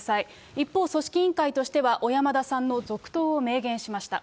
一方、組織委員会としては小山田さんの続投を明言しました。